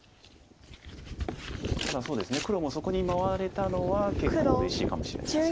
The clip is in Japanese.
ただそうですね黒もそこに回れたのは結構うれしいかもしれないです。